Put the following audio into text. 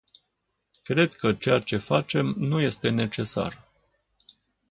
Cred că ceea ce facem nu este necesar.